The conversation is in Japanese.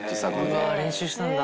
うわあ練習したんだ。